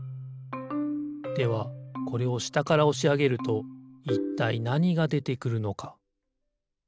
ではこれをしたからおしあげるといったいなにがでてくるのか？